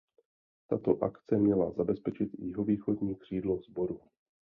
Tato akce měla zabezpečit jihovýchodní křídlo sboru.